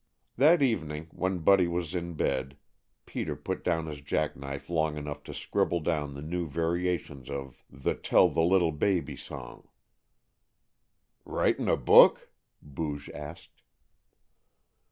That evening, when Buddy was in bed Peter put down his jack knife long enough to scribble down the new variations of the "Tell the Little Baby" song. "Writin' a book?" Booge asked.